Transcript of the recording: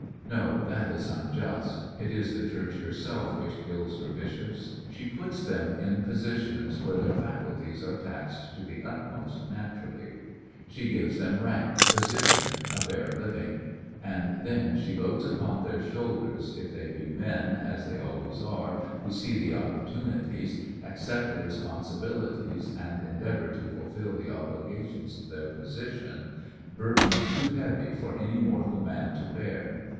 Bfshop kiVers 'Koj that is unjiist* It is the Church herself which kills her bishops. She puts them in positions where their faculties are taxed to the utmost naturally ; she gives them rankj position, a bare living ; aud then she loads upon their shoulderSj if they be meu^ as they always arCj who see the opporttmities^ accept the responsibilities, and endeavor to fulfil the obligations of their position, burdens too heavy for any mortal man to bear.